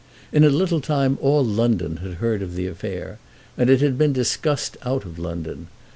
In a little time all London had heard of the affair, and it had been discussed out of London.